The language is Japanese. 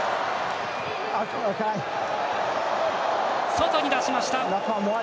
外に出しました。